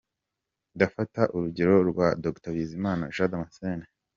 Ndafata urugero rwa Dr Bizimana Jean Damascene.